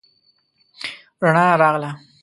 رڼا راغله